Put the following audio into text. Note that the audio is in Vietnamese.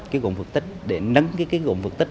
cái gốm phật tịch để nâng cái gốm phật tịch